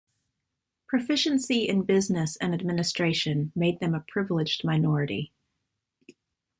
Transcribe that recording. Proficiency in business and administration made them a privileged minority.